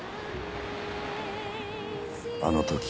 あの時。